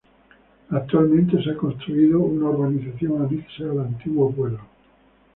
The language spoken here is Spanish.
Actualmente se ha construido una urbanización anexa al antiguo pueblo.